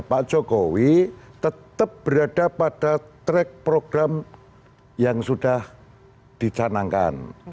pak jokowi tetap berada pada track program yang sudah dicanangkan